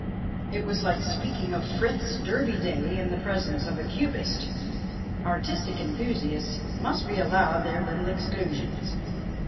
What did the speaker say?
It was like 2 IS THE SILENT STAGE speaking of P'ritli's " Derby Day " in the presence of a Cubist. Artistic enthusiasts must be allowed their little exclusions.